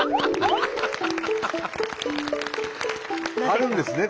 あるんですね